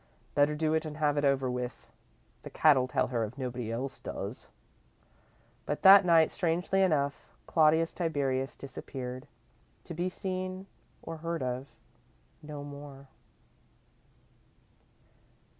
Better do it and have it over with. The cat'll tell her if nobody else does." But that night, strangely enough, Claudius Tiberius disappeared, to be seen or heard of no more.